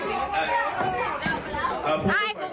ไปปล่อยครับ